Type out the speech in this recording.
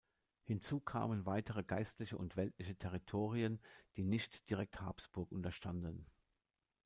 Hinzu kamen weitere geistliche und weltliche Territorien, die nicht direkt Habsburg unterstanden.